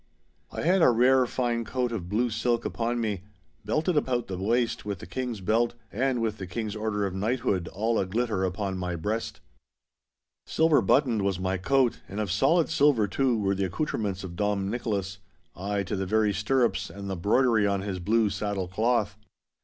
I had a rare fine coat of blue silk upon me, belted about the waist with the King's belt, and with the King's order of knighthood all a glitter upon my breast. Silver buttoned was my coat, and of solid silver, too, were the accoutrements of Dom Nicholas—ay, to the very stirrups and the broidery on his blue saddle cloth.